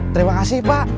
terima kasih pak